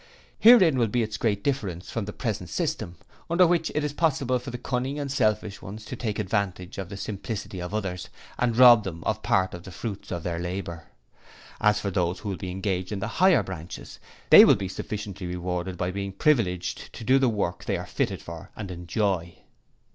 Herein will be its great difference from the present system, under which it is possible for the cunning and selfish ones to take advantage of the simplicity of others and rob them of part of the fruits of their labour. As for those who will be engaged in the higher branches, they will be sufficiently rewarded by being privileged to do the work they are fitted for and enjoy.